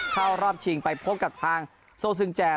ก็รอบจริงไปพบกับทางโซซึงแจน